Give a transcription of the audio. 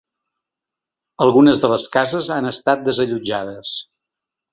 Algunes de les cases han estat desallotjades.